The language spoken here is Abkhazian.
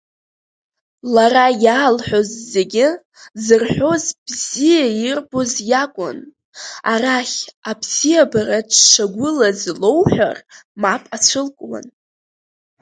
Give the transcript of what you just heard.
Лара иаалҳәоз зегьы зырҳәоз бзиа ирбоз иакәын, арахь абзиабара дшагәылаз лоуҳәар мап ацәылкуан.